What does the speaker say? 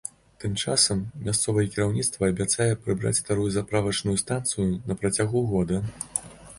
Тым часам мясцовае кіраўніцтва абяцае прыбраць старую заправачную станцыю на працягу года.